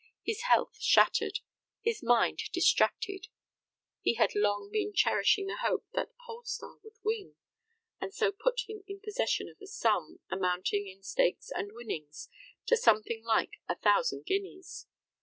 His health shattered, his mind distracted, he had long been cherishing the hope that "Polestar" would win, and so put him in possession of a sum, amounting in stakes and winnings, to something like a thousand guineas.